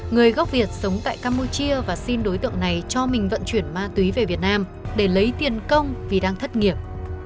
người gốc việt sống tại campuchia và xin đối tượng này cho mình vận chuyển ma túy về việt nam để lấy tiền công vì đang thất nghiệp